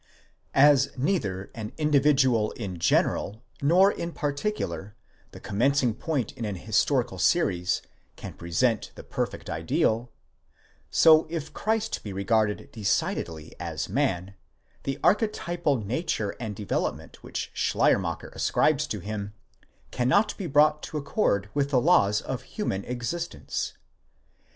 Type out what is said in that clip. As neither an individual in general, nor, in particular, the commencing point in an historical series, can present the perfect ideal: so, if Christ be 4 2ter Sendschreiben. 772. CONCLUDING DISSERTATION. § 148. regarded decidedly as man, the archetypal nature and development which Schleiermacher ascribes to him, cannot be brought to accord with the laws. . of human existence.